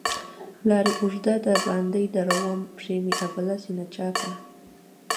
لار اوږده ده باندې درومم، پښي مې ابله سینه چاکه